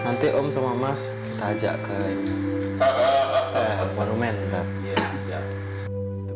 nanti om sama mas kita ajak ke warumen nanti